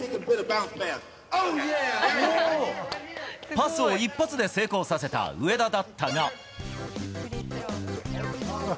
パスを一発で成功させた上田だったが。